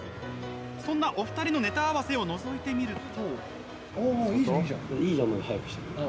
そんな、お二人のネタ合わせをのぞいてみると。